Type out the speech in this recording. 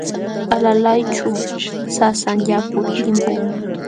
Alalayćhu sasam yaku timpun.